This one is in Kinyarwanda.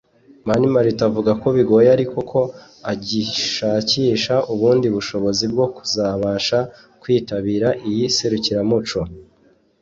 Mani Martin avuga ko bigoye “ariko ko agishakisha ubundi bushobozi bwo kuzabasha kwitabira iri serukiramuco